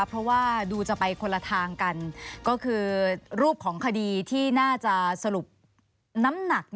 เพราะว่าดูจะไปคนละทางกันก็คือรูปของคดีที่น่าจะสรุปน้ำหนัก